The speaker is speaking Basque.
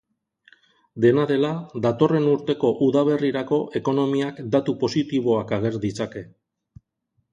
Dena dela, datorren urteko udaberrirako ekonomiak datu positiboak ager ditzake.